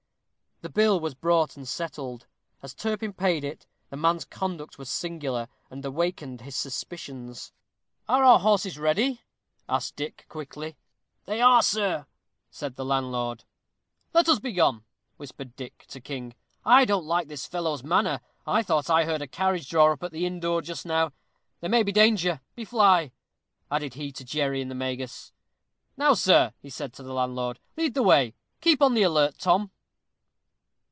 The bill was brought and settled. As Turpin paid it, the man's conduct was singular, and awakened his suspicions. "Are our horses ready?" asked Dick, quickly. "They are, sir," said the landlord. "Let us be gone," whispered Dick to King; "I don't like this fellow's manner. I thought I heard a carriage draw up at the inn door just now there may be danger. Be fly!" added he to Jerry and the Magus. "Now, sir," said he to the landlord, "lead the way. Keep on the alert, Tom."